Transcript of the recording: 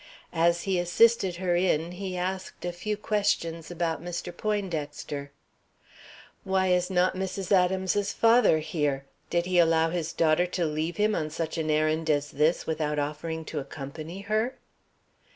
As he assisted her in, he asked a few questions about Mr. Poindexter. "Why is not Mrs. Adams's father here? Did he allow his daughter to leave him on such an errand as this without offering to accompany her?"